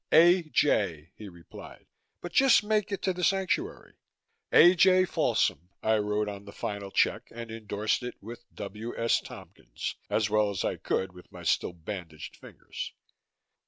"A. J.," he replied, "but just make it to the Sanctuary." "A. J. Folsom," I wrote on the final check and endorsed it with "W. S. Tompkins," as well as I could with my still bandaged fingers.